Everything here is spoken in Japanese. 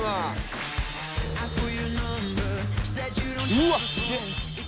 うわっすげっ。